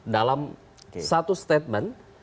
dalam satu statement